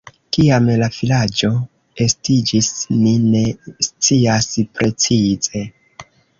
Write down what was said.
Kiam la vilaĝo estiĝis, ni ne scias precize.